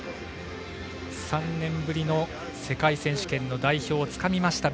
３年ぶりの世界選手権の代表をつかみました。